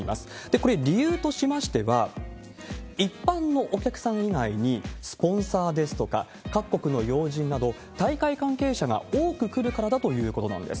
これ、理由としましては、一般のお客さん以外に、スポンサーですとか、各国の要人など、大会関係者が多く来るからだということなんです。